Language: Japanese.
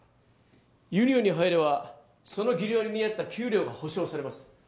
ユニオンに入ればその技量に見合った給料が保証されます